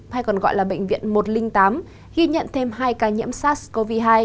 hay còn gọi là bệnh viện một trăm linh tám ghi nhận thêm hai ca nhiễm sars cov hai